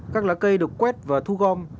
các lá cây được quét và thu gom